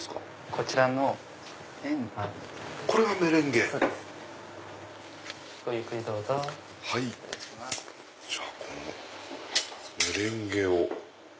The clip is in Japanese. このメレンゲを。